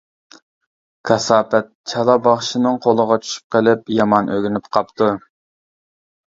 كاساپەت چالا باخشىنىڭ قولىغا چۈشۈپ قېلىپ يامان ئۆگىنىپ قاپتۇ.